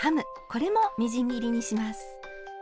これもみじん切りにします。